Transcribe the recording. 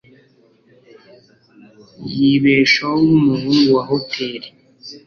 Yibeshaho nkumuhungu wa hoteri